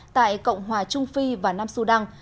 tại cộng hòa trung phi và nam sudan